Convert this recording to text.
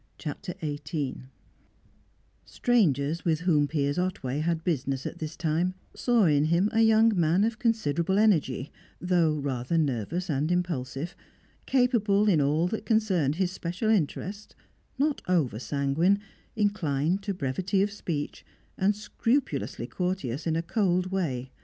CHAPTER XVIII Strangers with whom Piers Otway had business at this time saw in him a young man of considerable energy, though rather nervous and impulsive, capable in all that concerned his special interests, not over sanguine, inclined to brevity of speech, and scrupulously courteous in a cold way.